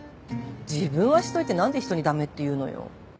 自分はしといて何で人にダメって言うのよ。